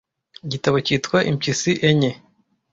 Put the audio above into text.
igitabo cyitwa impyisi enye